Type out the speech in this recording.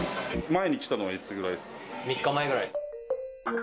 前に来たのはいつぐらいです３日前ぐらい。